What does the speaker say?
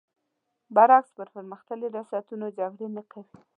برعکس پر مختللي ریاستونه جګړې نه کوي.